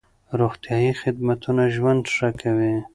روغتيايي خدمتونه ژوند ښه کوي.